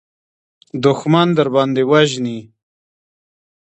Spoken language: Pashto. دښمن درباندې وژني.